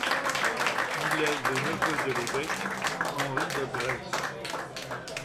Il est le neveu de l'évêque Henri de Grez.